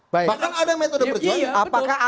bahkan ada metode perjuangan